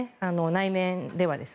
内面では。